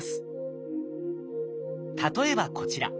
例えばこちら。